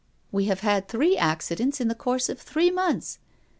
We have had three accidents in the course of three months.